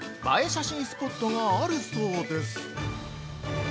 写真スポットがあるそうです。